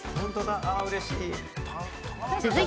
あ、うれしい！